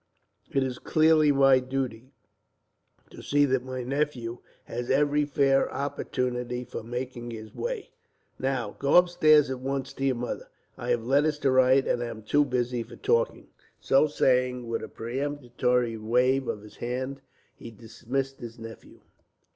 It is clearly my duty to see that my nephew has every fair opportunity for making his way. "Now, go upstairs at once to your mother. I have letters to write, and am too busy for talking." So saying, with a peremptory wave of his hand he dismissed his nephew.